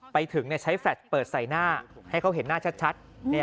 ไปถึงใช้แฟลตเปิดใส่หน้าให้เขาเห็นหน้าชัด